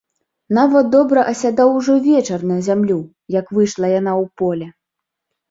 Нават добра асядаў ужо вечар на зямлю, як выйшла яна ў поле.